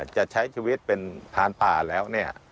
จะใช้ชีวิตเป็นทานป่าแล้ว